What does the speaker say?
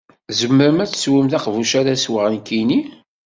Tzemrem ad teswem taqbuct ara sweɣ nekkini?